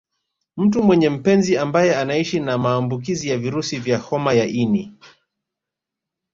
Mtu mwenye mpenzi ambaye anaishi na maambukizi ya virusi vya homa ya ini